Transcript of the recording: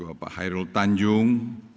juga bapak hairul tanjung